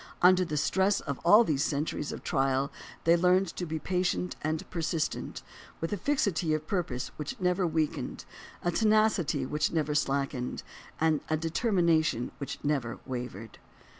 Under the stress of all these centuries of trial they learned to be patient and persistent, with a fixity of purpose which never weakened, a tenacity JOHN C. CALHOUN 169 which never slackened, and a determination which never wavered.